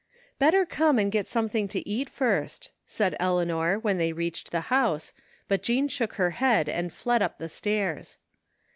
" Better come and get some^ng to eat first," said Eleanor, when they reached the house, but Jean shook her head and fled up the stairs.